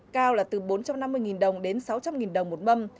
cao là từ bốn trăm năm mươi nghìn đồng đến sáu trăm linh nghìn đồng một mâm